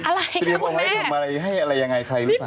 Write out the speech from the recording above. เปรียบเอาไว้ทำอะไรให้ใครหรือเปล่า